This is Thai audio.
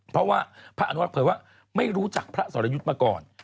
เพราะว่าพระอนุรักษ์เผยว่าไม่รู้จักพระสรยุทธ์มาก่อน